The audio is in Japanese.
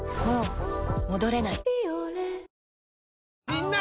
みんな！